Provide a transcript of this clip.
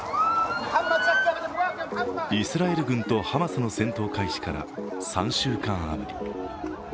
イスラエル軍とハマスの戦闘開始から３週間余り。